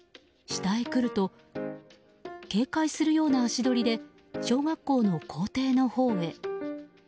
下へ来ると警戒するような足取りで小学校の校庭のほうへ。